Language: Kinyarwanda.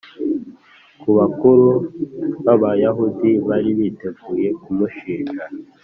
ku bakuru b Abayahudi bari biteguye kumushinja